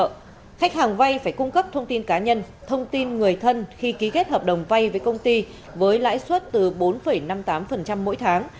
ngân hàng vay phải cung cấp thông tin cá nhân thông tin người thân khi ký kết hợp đồng vay với công ty với lãi suất từ bốn năm mươi tám mỗi tháng